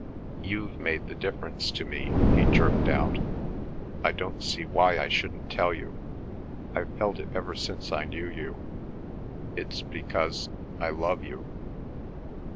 You've made the difference to me," he jerked out, "I don't see why I shouldn't tell you. I've felt it ever since I knew you. ... It's because I love you."